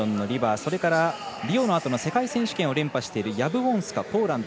それから、リオのあとの世界選手権を連覇しているヤブウォンスカ、ポーランド。